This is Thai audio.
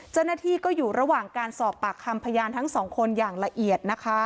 เจ้าหน้าที่ก็อยู่ระหว่างการสอบปากคำพยานทั้งสองคนอย่างละเอียดนะคะ